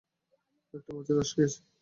একটা মাছের আঁশ খেয়েছি।